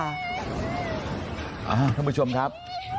อ้าวท่านผู้ชมครับ